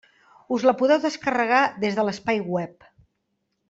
Us la podeu descarregar des de l'espai web.